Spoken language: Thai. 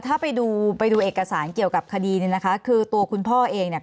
ถ้าไปดูไปดูเอกสารเกี่ยวกับคดีเนี่ยนะคะคือตัวคุณพ่อเองเนี่ย